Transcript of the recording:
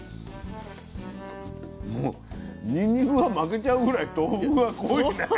もうにんにくが負けちゃうぐらい豆腐が濃いね。